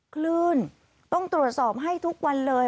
คลื่นต้องตรวจสอบให้ทุกวันเลย